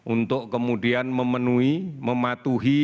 untuk kemudian memenuhi mematuhi